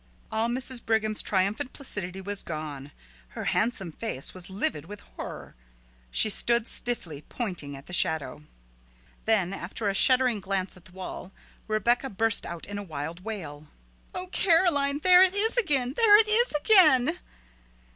All Mrs. Brigham's triumphant placidity was gone. Her handsome face was livid with horror. She stood stiffly pointing at the shadow. Then after a shuddering glance at the wall Rebecca burst out in a wild wail. "Oh, Caroline, there it is again, there it is again!"